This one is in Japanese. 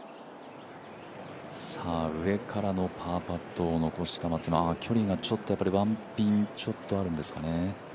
上からのパーパットを残した松山距離がちょっとワンピンちょっとあるんですかね？